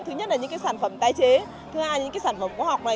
thứ nhất là những sản phẩm tài chế thứ hai là những sản phẩm khoa học này